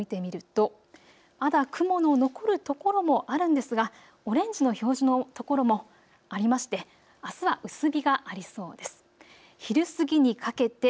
このあと昼前の予想を見てみるとまだ雲の残るところもあるんですがオレンジの表示のところありましてあすは薄日がありそうです。